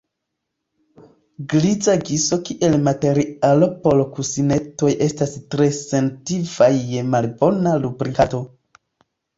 Griza giso kiel materialo por kusinetoj estas tre sentiva je malbona lubrikado.